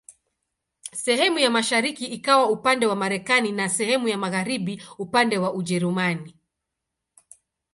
Sehemu ya mashariki ikawa upande wa Marekani na sehemu ya magharibi upande wa Ujerumani.